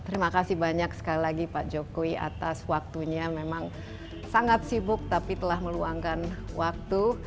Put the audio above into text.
terima kasih banyak sekali lagi pak jokowi atas waktunya memang sangat sibuk tapi telah meluangkan waktu